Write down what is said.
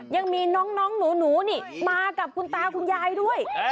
ยังมีน้องหนูนี่มากับคุณตาคุณยายด้วย